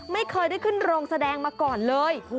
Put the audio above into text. ไม่เคยได้ขึ้นโรงแสดงมาก่อนเลย